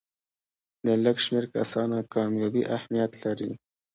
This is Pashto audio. د لږ شمېر کسانو کامیابي اهمیت لري.